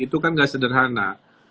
itu kan gak sederhana